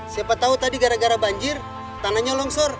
siapa tahu tadi gara gara banjir tanahnya longsor